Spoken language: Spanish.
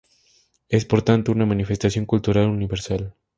Es por tanto una manifestación cultural universal.